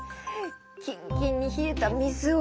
キンキンにひえた水を。